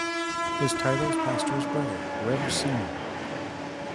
His titles passed to his brother Webb Seymour.